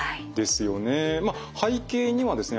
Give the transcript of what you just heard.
背景にはですね